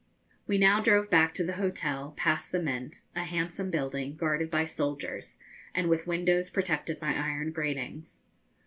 We now drove back to the hotel, past the Mint, a handsome building, guarded by soldiers, and with windows protected by iron gratings.